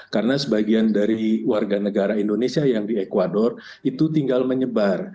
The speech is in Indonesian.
karena sebagian dari warga negara indonesia yang di ecuador itu tinggal menyebar